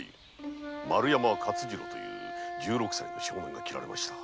丸山勝次郎という十六歳の少年が切られました。